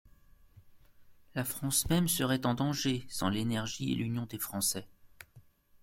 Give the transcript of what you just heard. La France même serait en danger, sans l'énergie et l'union des Français.